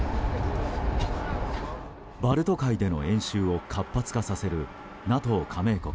バルト海での演習を活発化させるＮＡＴＯ加盟国。